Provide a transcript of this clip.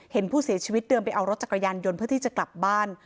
เห็นผู้เสียชีวิตเดินไปเอารถจักรยานยนต์เพื่อที่จะกลับบ้าน